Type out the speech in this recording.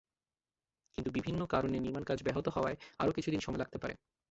কিন্তু বিভিন্ন কারণে নির্মাণকাজ ব্যাহত হওয়ায় আরও কিছুদিন সময় লাগতে পারে।